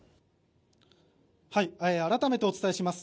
改めてお伝えします。